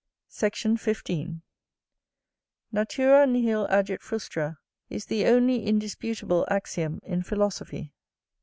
Sect. 15. Natura nihil agit frustra, is the only indisputable axiom in philosophy.